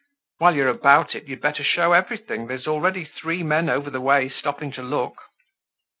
Whilst you're about it, you'd better show everything. There's already three men over the way stopping to look."